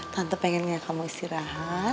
tante pengennya kamu istirahat